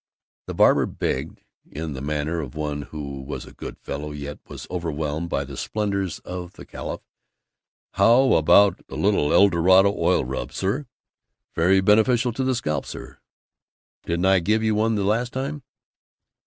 The barber begged (in the manner of one who was a good fellow yet was overwhelmed by the splendors of the calif), "How about a little Eldorado Oil Rub, sir? Very beneficial to the scalp, sir. Didn't I give you one the last time?"